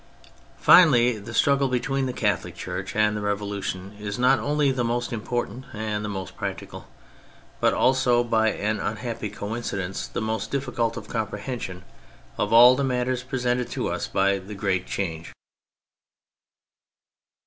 Finally, the struggle between the Catholic Church and the Revolution is not only the most important and the most practical, but also by an unhappy coincidence the most difficult of comprehension of all the matters presented to us by the great change.